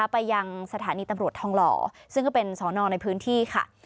ไปยังสถานีตำรวจทองหล่อซึ่งก็เป็นสอนอในพื้นที่ค่ะ